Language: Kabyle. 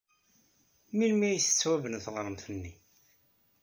Melmi ay tettwabna teɣremt-nni?